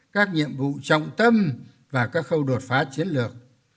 các nhiệm vụ trọng tâm và các khâu đột phá chiến lược